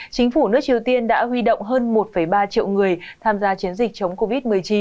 chính phủ nước triều tiên đã huy động hơn một ba triệu người tham gia chiến dịch chống covid một mươi chín